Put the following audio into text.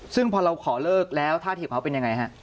ซึ่งพอเราขอเลิกแล้วท่าทีของเขาเป็นยังไงฮะ